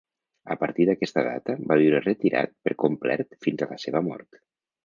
A partir d'aquesta data va viure retirat per complet fins a la seva mort.